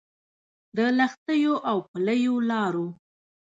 د لښتيو او پلیو لارو